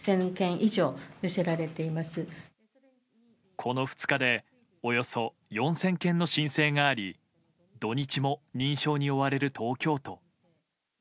この２日でおよそ４０００件の申請があり土日も認証に追われる東京都。